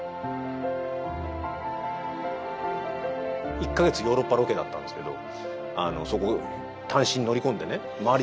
１カ月ヨーロッパロケだったんですけどそこ単身乗り込んでね周り